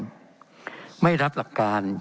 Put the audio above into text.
เป็นของสมาชิกสภาพภูมิแทนรัฐรนดร